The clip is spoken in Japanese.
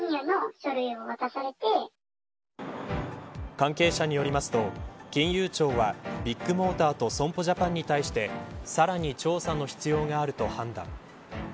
関係者によりますと金融庁はビッグモーターと損保ジャパンに対してさらに調査の必要があると判断。